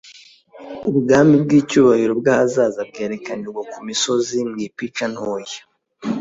Ubwami bw'icyubahiro bw'ahazaza bwerekanirwa ku musozi mu ipica ntoya :